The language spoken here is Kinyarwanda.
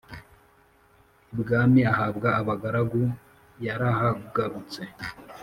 ibwami ahabwa abagaru yarahagarutse